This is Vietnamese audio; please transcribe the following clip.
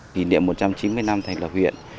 kỷ niệm một trăm chín mươi năm thành lập huyện